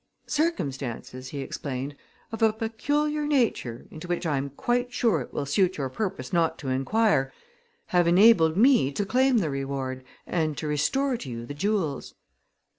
"Circumstances," he explained, "of a peculiar nature, into which I am quite sure it will suit your purpose not to inquire, have enabled me to claim the reward and to restore to you the jewels."